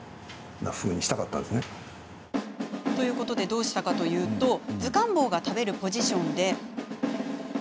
どうしたかというと図鑑坊が食べるポジションで。